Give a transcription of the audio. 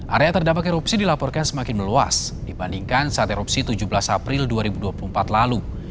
area terdampak erupsi dilaporkan semakin meluas dibandingkan saat erupsi tujuh belas april dua ribu dua puluh empat lalu